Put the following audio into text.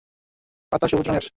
পাতা সবুজ রংয়ের।